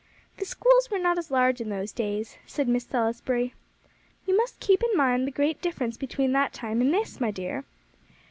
"The schools were not as large in those days," said Miss Salisbury. "You must keep in mind the great difference between that time and this, my dear.